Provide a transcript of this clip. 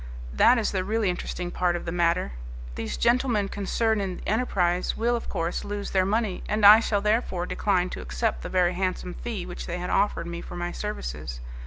That is the really interesting part of the matter. These gentlemen concerned in the enterprise will, of course, lose their money, and I shall therefore decline to accept the very handsome fee which they had offered me for my services.